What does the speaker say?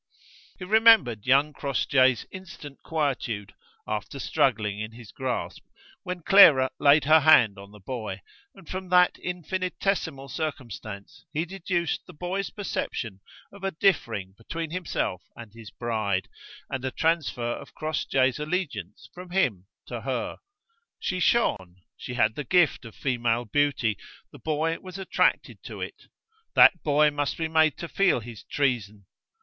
He remembered young Crossjay's instant quietude, after struggling in his grasp, when Clara laid her hand on the boy: and from that infinitesimal circumstance he deduced the boy's perception of a differing between himself and his bride, and a transfer of Crossjay's allegiance from him to her. She shone; she had the gift of female beauty; the boy was attracted to it. That boy must be made to feel his treason.